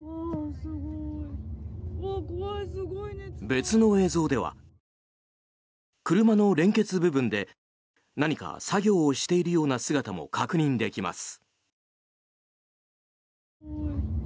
別の映像では車の連結部分で何か作業をしているような姿も確認できます。